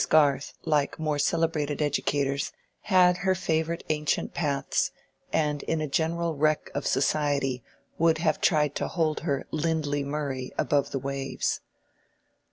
(Mrs. Garth, like more celebrated educators, had her favorite ancient paths, and in a general wreck of society would have tried to hold her "Lindley Murray" above the waves.)